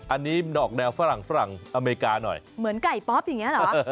อันนี้ดอกแนวฝรั่งฝรั่งอเมริกาหน่อยเหมือนไก่ป๊อปอย่างนี้เหรอ